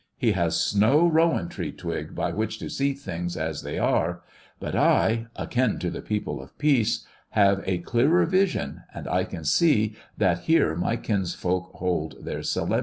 He has no rowan tree twig by which to see things as they are ; but I, akin to the people of peace, have a clearer vision, and I can see that here my kinsfolk hold their solemnities."